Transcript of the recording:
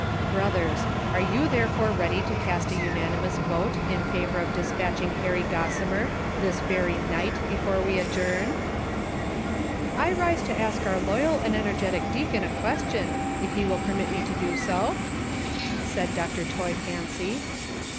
Brothers, are you therefore ready to cast a unanimous vote in favor of despatching Harry Gossimer this very night before we adjourn V "" I rise to ask our loyal and enei'getic deacon a question, if he will permit me to do so V " said Dr. Toy Fancy.